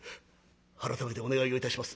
改めてお願いをいたします。